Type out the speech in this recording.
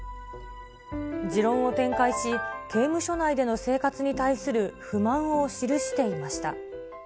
持論を展開し、刑務所内での生活に対する不満を記していました。